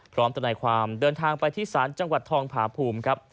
พร้อมตัวในความเดินทางไปที่สารจังหวัดทองพาภูมิครับ